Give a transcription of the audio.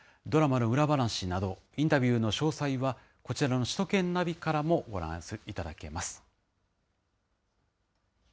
ドラマの裏話など、インタビューの詳細はこちらの首都圏ナビからも、ご覧いただけます。